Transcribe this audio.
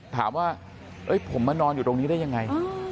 ถามว่าผมมานอนอยู่ตรงนี้ได้ยังไง